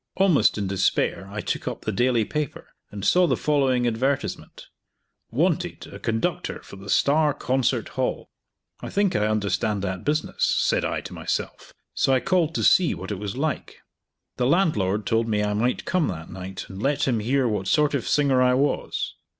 Almost in despair I took up the daily paper, and saw the following advertisement, 'Wanted: a conductor for the Star Concert Hall.' "I think I understand that business," said I to myself, so I called to see what it was like. The landlord told me I might come that night, and let him hear what sort of a singer I was.